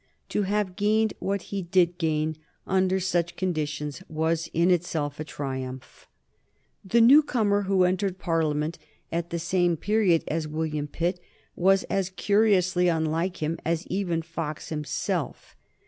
To have gained what he did gain under such conditions was in itself a triumph. The new comer who entered Parliament at the same period as William Pitt was as curiously unlike him as even Fox himself.